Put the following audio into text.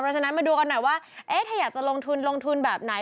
เพราะฉะนั้นมาดูกันหน่อยว่าเอ๊ะถ้าอยากจะลงทุนลงทุนแบบไหน